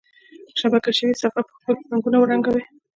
شبکه شوي صفحه په ښکلي رنګونو ورنګوئ.